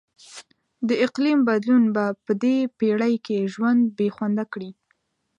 د اقلیم بدلون به په دې پیړۍ کې ژوند بیخونده کړي.